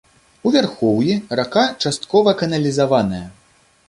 У вярхоўі рака часткова каналізаваная.